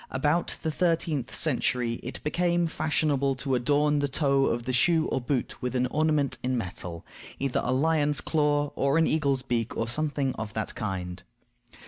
About the thirteenth century it became fashionable to adorn the toe of the shoe or boot with an ornament in metal; either a lion's claw, or an eagle's beak, or something of that kind.